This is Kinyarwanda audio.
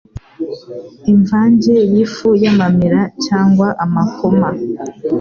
Imvange y'ifu y'amamera cyangwa amakoma